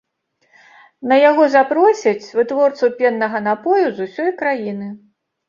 На яго запросяць вытворцаў пеннага напою з усёй краіны.